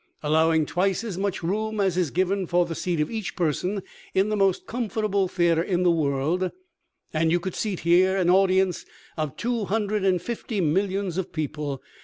Allowing twice as much room as is given for the seat of each person in the most comfortable theatre in the world, and you could seat here an audience of two hundred and fifty millions of people.